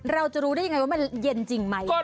เราจะรู้ได้ยังไงว่ามันเย็นจริงไหม